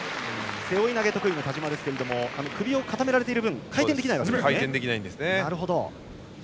背負い投げが得意の田嶋ですが首を固められている分回転できないんですね。